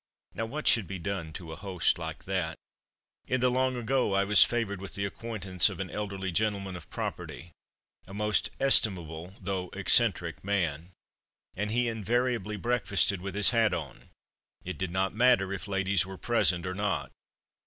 Now what should be done to a host like that? In the long ago I was favoured with the acquaintance of an elderly gentleman of property, a most estimable, though eccentric, man. And he invariably breakfasted with his hat on. It did not matter if ladies were present or not.